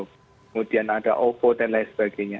kemudian ada ovo dan lain sebagainya